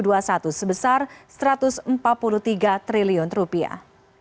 iuran pada dua ribu dua puluh satu sebesar satu ratus empat puluh tiga triliun rupiah